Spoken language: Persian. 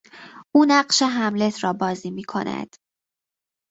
او نقش هملت را بازی میکند.